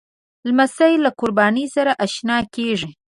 لمسی له قربانۍ سره اشنا کېږي.